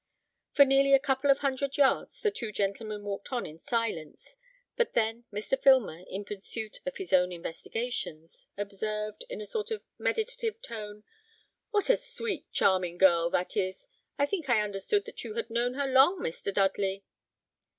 For nearly a couple of hundred yards the two gentlemen walked on in silence; but then Mr. Filmer, in pursuit of his own investigations, observed, in a sort of meditative tone, "What a sweet, charming girl that is! I think I understood that you had known her long, Mr. Dudley."